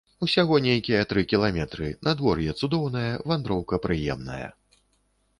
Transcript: Усяго нейкія тры кіламетры, надвор'е цудоўнае, вандроўка прыемная.